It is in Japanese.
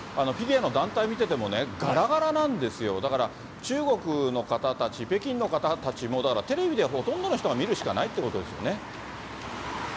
フィギュアの団体見ててもね、がらがらなんですよ、だから中国の方たち、北京の方たちも、だから、テレビでほとんどの人が見るしかないってことですよね。